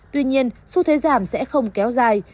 tuy nhiên su thế giảm sẽ không kéo dài